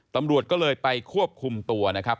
ตำรวจก็เลยไปควบคุมตัวนะครับ